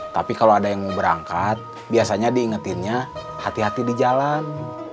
tapi kalau ada yang mau berangkat biasanya diingetinnya hati hati di jalan